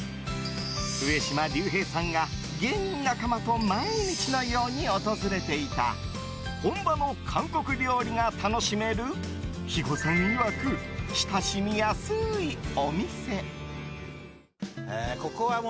上島竜兵さんが芸人仲間と毎日のように訪れていた本場の韓国料理が楽しめる肥後さんいわく親しみやすいお店。